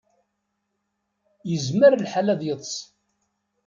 Yezmer lḥal ad yeḍs.